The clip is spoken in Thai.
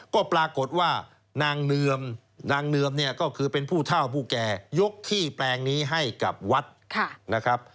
ก็ปรากฏว่านางเนือมเนี่ยก็คือเป็นผู้เท่าผู้แก่ยกขี้แปลงนี้ให้กับวัดนะครับ